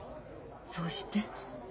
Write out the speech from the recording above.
そうして。